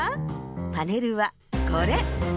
パネルはこれ。